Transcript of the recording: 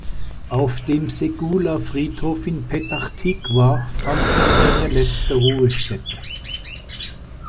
Auf dem Segula-Friedhof in Petach Tikwa fand er seine letzte Ruhestätte.